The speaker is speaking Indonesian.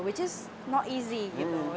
yang itu tidak mudah